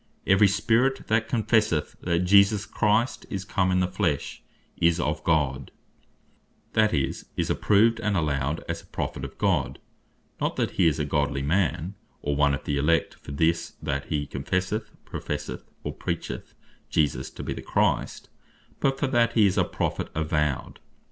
Every Spirit that confesseth that Jesus Christ is come in the flesh, is of God;" that is, is approved and allowed as a Prophet of God: not that he is a godly man, or one of the Elect, for this, that he confesseth, professeth, or preacheth Jesus to be the Christ; but for that he is a Prophet avowed.